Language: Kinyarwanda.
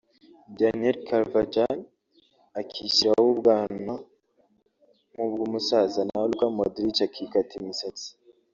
Daniel Carvajal akishyiraho ubwana nk’ubw’umusaza naho Luka Modric akikata imisatsi